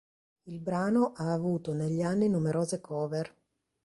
Il brano ha avuto negli anni numerose cover.